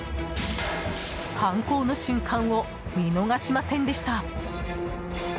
犯行の瞬間を見逃しませんでした。